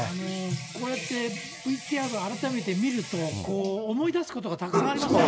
こうやってＶＴＲを改めて見ると、思い出すことがたくさんありますね。